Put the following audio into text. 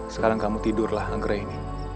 sekarang kamu tidurlah anggrek ini